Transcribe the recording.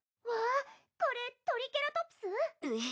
わぁこれトリケラトプス？